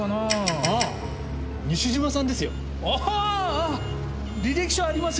ああ履歴書ありますよ。